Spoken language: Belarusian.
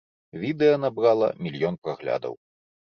Відэа набрала мільён праглядаў.